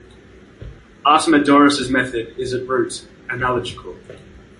Artemidorus' method is, at root, analogical.